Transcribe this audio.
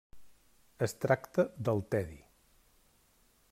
Es tracta del tedi.